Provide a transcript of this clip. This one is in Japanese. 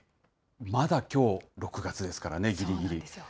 まだきょう、６月ですからね、ぎりぎり。